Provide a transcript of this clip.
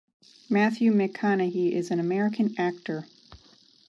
Matthew McConaughey is an American actor.